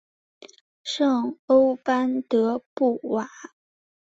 圣欧班德布瓦。